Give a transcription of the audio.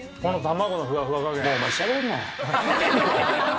もうお前、しゃべんなや。